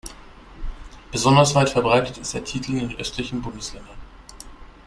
Besonders weit verbreitet ist der Titel in den östlichen Bundesländern.